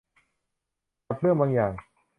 กับเรื่องบางอย่าง